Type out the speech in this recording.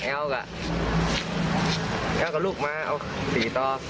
แอ๊วกก็ลุกมาเอาสี่ต่อ